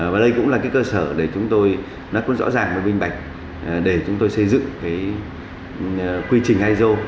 và đây cũng là cái cơ sở để chúng tôi nó cũng rõ ràng và minh bạch để chúng tôi xây dựng cái quy trình iso